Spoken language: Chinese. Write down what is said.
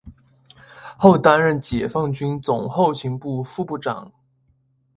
后担任解放军总后勤部副部长。